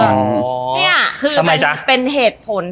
อ๋อเออเนี่ยคือทำไมจ้ะเป็นเหตุผลที่